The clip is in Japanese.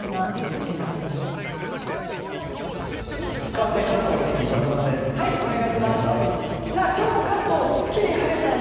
かわって、関東のお天気今村さん